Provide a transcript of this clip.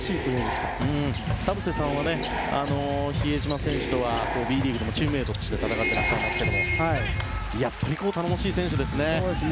田臥さんは比江島選手とはＢリーグでもチームメートとして戦っていらっしゃいますがやっぱり頼もしい選手ですよね。